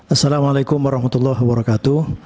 assalamu alaikum warahmatullahi wabarakatuh